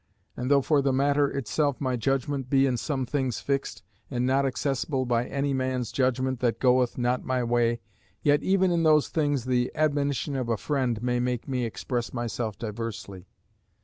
And though for the matter itself my judgement be in some things fixed, and not accessible by any man's judgement that goeth not my way, yet even in those things the admonition of a friend may make me express myself diversly.